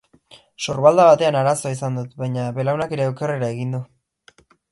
Sorbalda batean arazoa izan dut, baina belaunak ere okerrera egin du.